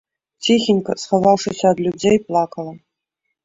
Ціхенька, схаваўшыся ад людзей, плакала.